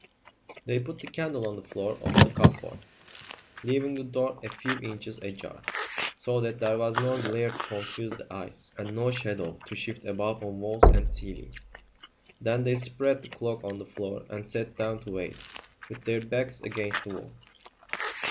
They put the candle on the floor of the cupboard, leaving the door a few inches ajar, so that there was no glare to confuse the eyes, and no shadow to shift about on walls and ceiling. Then they spread the cloak on the floor and sat down to wait, with their backs against the wall.